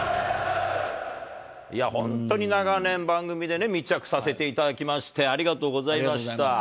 いや、本当に長年、番組でね、密着させていただきましてありがとうございました。